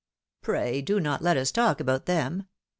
Pray do not let us talk about them.